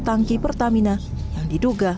tangki pertamina yang diduga